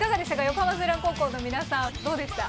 横浜翠嵐高校の皆さんどうでした？